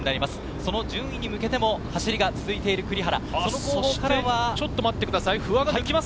その順位に向けても、走りが続いている栗原。